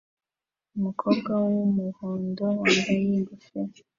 Umukobwa wumuhondo wambaye ingofero